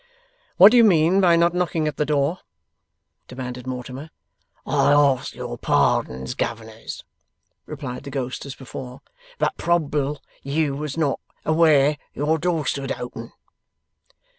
'What do you mean by not knocking at the door?' demanded Mortimer. 'I ask your pardons, Governors,' replied the ghost, as before, 'but probable you was not aware your door stood open.